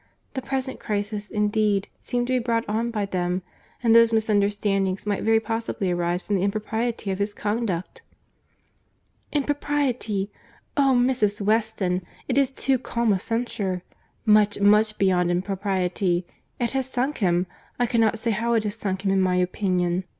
The present crisis, indeed, seemed to be brought on by them; and those misunderstandings might very possibly arise from the impropriety of his conduct." "Impropriety! Oh! Mrs. Weston—it is too calm a censure. Much, much beyond impropriety!—It has sunk him, I cannot say how it has sunk him in my opinion.